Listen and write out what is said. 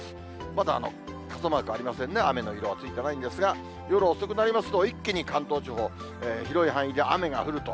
まだ傘マークありませんね、雨の色はついていないんですが、夜遅くなりますと、一気に関東地方、広い範囲で雨が降ると。